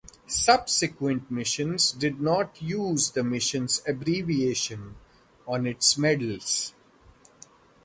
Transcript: Subsequent missions did not use the missions abbreviation on its medals.